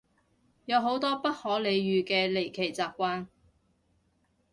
有好多不可理喻嘅離奇習慣